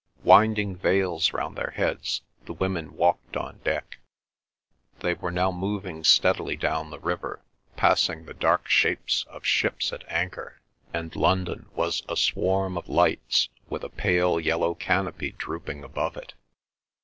Winding veils round their heads, the women walked on deck. They were now moving steadily down the river, passing the dark shapes of ships at anchor, and London was a swarm of lights with a pale yellow canopy drooping above it.